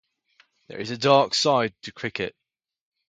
There is a dark side to cricket.